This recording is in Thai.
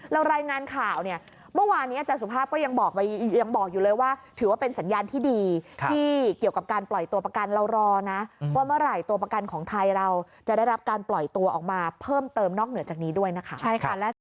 รายงานข่าวเนี่ยเมื่อวานนี้อาจารย์สุภาพก็ยังบอกอยู่เลยว่าถือว่าเป็นสัญญาณที่ดีที่เกี่ยวกับการปล่อยตัวประกันเรารอนะว่าเมื่อไหร่ตัวประกันของไทยเราจะได้รับการปล่อยตัวออกมาเพิ่มเติมนอกเหนือจากนี้ด้วยนะคะ